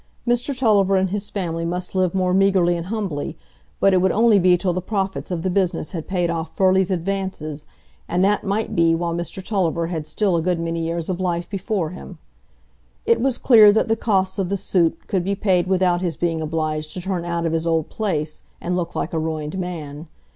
Mr Tulliver and his family must live more meagrely and humbly, but it would only be till the profits of the business had paid off Furley's advances, and that might be while Mr Tulliver had still a good many years of life before him. It was clear that the costs of the suit could be paid without his being obliged to turn out of his old place, and look like a ruined man.